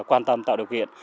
quan tâm tạo độc viện